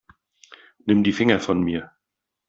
Nimm die Finger von mir.